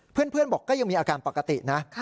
เพื่อนบอกก็ยังมีอาการปกตินะ